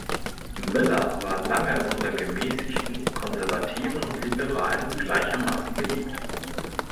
Miller war lange unter Gemäßigten, Konservativen und Liberalen gleichermaßen beliebt.